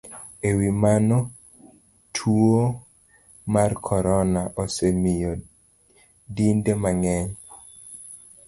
E wi mano, tuo mar corona osemiyo dinde mang'eny